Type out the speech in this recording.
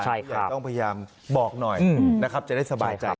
อย่าต้องพยายามบอกหน่อยนะครับจะได้สบายใจ